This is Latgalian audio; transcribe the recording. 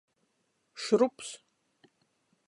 Šrups.